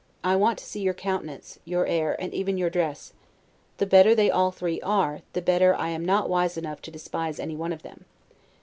I want to see your countenance, your air, and even your dress; the better they all three are, the better I am not wise enough to despise any one of them.